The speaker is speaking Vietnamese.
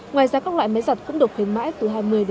ngoài giá các loại máy giặt cũng được khuyến mãi từ hai mươi năm mươi